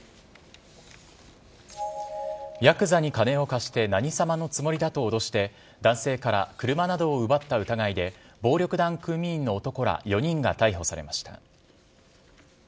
ヤクザに金を貸して何様のつもりだと脅して、男性から車などを奪った疑いで、暴力団組員の男ら４人が逮捕されました。